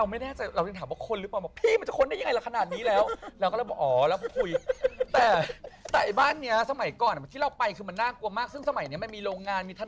ล่าสุดเพิ่งไปมาเมื่อไม่ถึงเดือนเนี่ย